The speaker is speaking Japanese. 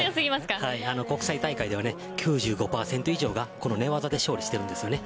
国際大会では９５％以上がこの寝技で勝利しているんですよね。